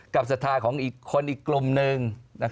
กับสัทธาของคนอีกกลุ่มหนึ่ง